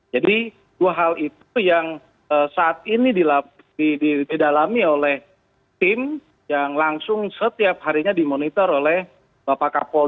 jadi dua hal itu yang saat ini didalami oleh tim yang langsung setiap harinya dimonitor oleh bapak kolda